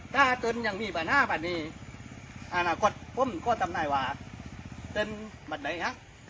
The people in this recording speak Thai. ถ้าเติ้ลยังมีประหน้าแบบนี้อนาคตผมก็ทำได้ว่าเติ้ลบันเตะครับ